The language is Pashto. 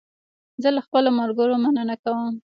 زه له خپلو ملګرو مننه کوم.